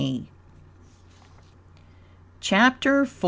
CHAPTER IV.